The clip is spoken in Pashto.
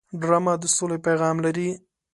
ډرامه د سولې پیغام لري